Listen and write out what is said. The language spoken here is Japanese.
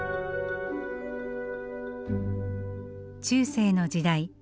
中世の時代